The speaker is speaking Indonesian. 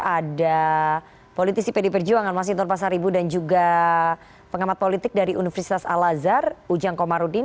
ada politisi pd perjuangan mas hinton pasar ibu dan juga pengamat politik dari universitas al azhar ujang komarudin